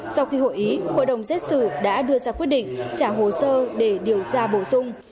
sau khi hội ý hội đồng xét xử đã đưa ra quyết định trả hồ sơ để điều tra bổ sung